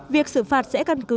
việc xử phạt sẽ căn cứ